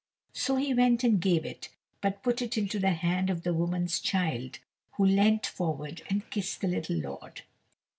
So he went and gave it, but put it into the hand of the woman's child, who leant forward and kissed the little lord.